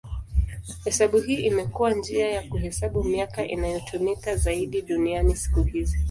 Hesabu hii imekuwa njia ya kuhesabu miaka inayotumika zaidi duniani siku hizi.